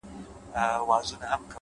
• لکه جوړه له مرمرو نازنینه,